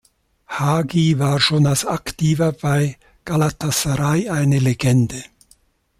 Hagi war schon als Aktiver bei Galatasaray eine Legende.